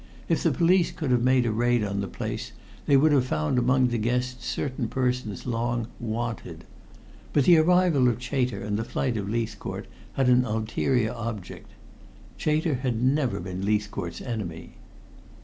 If the police could have made a raid on the place they would have found among the guests certain persons long 'wanted.' But the arrival of Chater and the flight of Leithcourt had an ulterior object. Chater had never been Leithcourt's enemy."